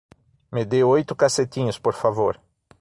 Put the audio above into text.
Me dê oito cacetinhos, por favor